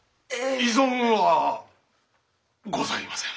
異存はございません。